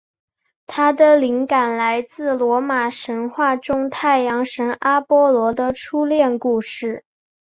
它的灵感来自罗马神话中太阳神阿波罗的初恋故事。